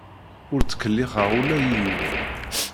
Ur ttkellixeɣ ula i yiwen.